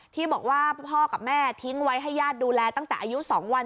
ที่บอกว่าพ่อกับแม่ทิ้งไว้ให้ญาติดูแลตั้งแต่อายุ๒วัน